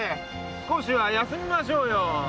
少しは休みましょうよ。